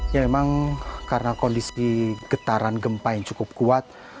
ya memang karena kondisi getaran gempa yang cukup kuat